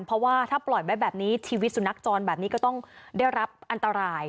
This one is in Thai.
เพราะว่าถ้าปล่อยไว้แบบนี้ชีวิตสุนัขจรแบบนี้ก็ต้องได้รับอันตราย